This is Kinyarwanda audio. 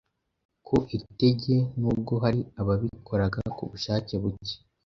ku itege n'ubwo hari ababikoraga ku bushake buke